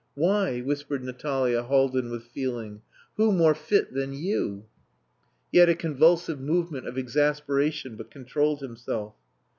"Why!" whispered Natalia Haldin with feeling. "Who more fit than you?" He had a convulsive movement of exasperation, but controlled himself.